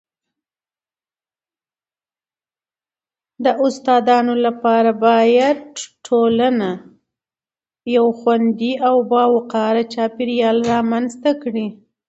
د استادانو لپاره باید ټولنه باید یو خوندي او باوقاره چاپیریال رامنځته کړي..